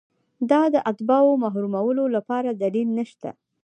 دا د اتباعو محرومولو لپاره دلیل نشته.